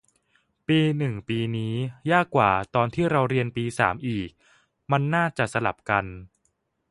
ปีหนึ่งปีนี้ ยากกว่า ตอนที่เราเรียนปีสามอีก มันน่าจะสลับกัน